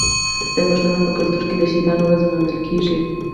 د پښتنو په کلتور کې د شهیدانو ورځ لمانځل کیږي.